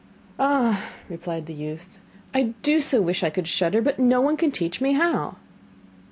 'Ah,' replied the youth, 'I do so wish I could shudder, but no one can teach me how.